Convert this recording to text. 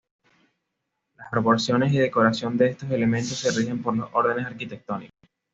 Las proporciones y decoración de estos elementos se rigen por los órdenes arquitectónicos.